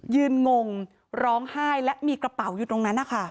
งงร้องไห้และมีกระเป๋าอยู่ตรงนั้นนะคะ